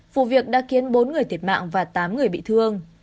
vụ việc đã khiến bốn người thiệt mạng và tám người bị thương